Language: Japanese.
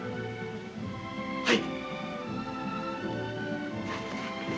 はい。